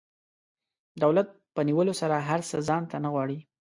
دولت په نیولو سره هر څه ځان ته نه غواړي.